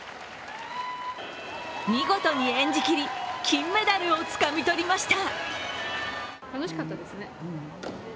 見事に演じ切り金メダルをつかみ取りました。